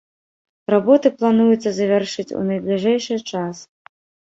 Работы плануецца завяршыць у найбліжэйшы час.